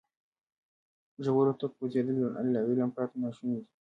ژورو ته کوزېدل له علم پرته ناشونی دی.